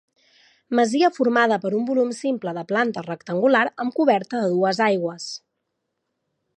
Masia formada per un volum simple de planta rectangular amb coberta a dues aigües.